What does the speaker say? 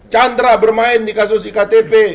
chandra bermain di kasus iktp